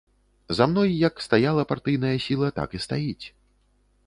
За мной як стаяла партыйная сіла, так і стаіць.